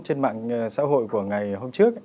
trên mạng xã hội của ngày hôm trước